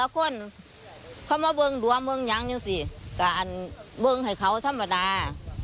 ก็ไปซ่อยเขาก็เศร้า